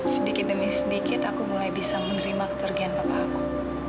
sedikit demi sedikit aku mulai bisa menerima kepergian papaku